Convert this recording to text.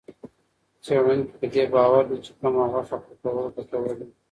څېړونکي په دې باور دي چې کم غوښه کول ګټور دي.